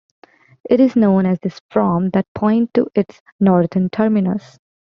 It is known as this from that point to its northern terminus.